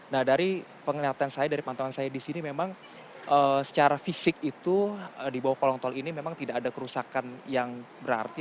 nah dari penglihatan saya dari pantauan saya di sini memang secara fisik itu di bawah kolong tol ini memang tidak ada kerusakan yang berarti